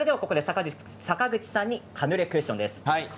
坂口さんにカヌレクエスチョンです。